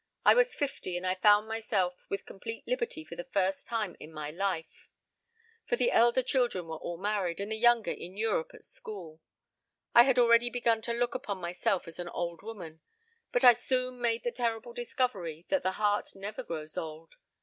I was fifty and I found myself with complete liberty for the first time in my life; for the elder children were all married, and the younger in Europe at school. I had already begun to look upon myself as an old woman. ... But I soon made the terrible discovery that the heart never grows old.